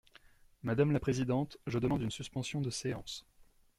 Madame la présidente, je demande une suspension de séance.